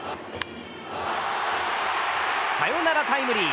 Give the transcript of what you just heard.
サヨナラタイムリー！